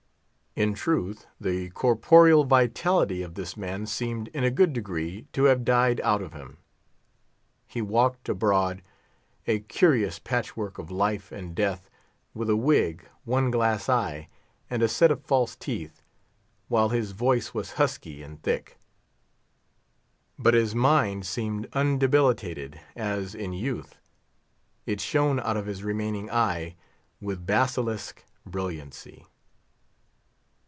In truth, the corporeal vitality of this man seemed, in a good degree, to have died out of him. He walked abroad, a curious patch work of life and death, with a wig, one glass eye, and a set of false teeth, while his voice was husky and thick; but his mind seemed undebilitated as in youth; it shone out of his remaining eye with basilisk brilliancy.